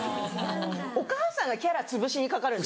お母さんがキャラつぶしにかかるんですか？